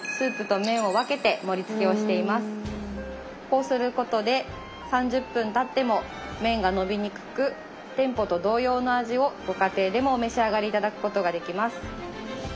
こうすることで３０分たっても麺が伸びにくく店舗と同様の味をご家庭でもお召し上がり頂くことができます。